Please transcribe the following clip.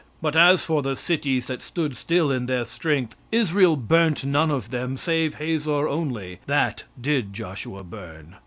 "But as for the cities that stood still in their strength, Israel burnt none of them, save Hazor only; that did Joshua burn.